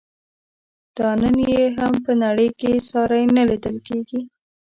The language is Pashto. دا نن یې هم په نړۍ کې ساری نه لیدل کیږي.